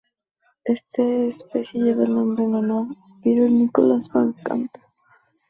Esta especie lleva el nombre en honor a Pieter Nicolaas van Kampen.